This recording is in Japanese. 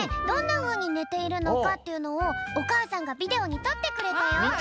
どんなふうにねているのかっていうのをおかあさんがビデオにとってくれたよ。